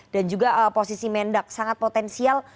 dan juga posisi mendak sangat potensial